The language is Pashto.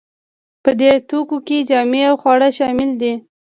په دې توکو کې جامې او خواړه شامل دي.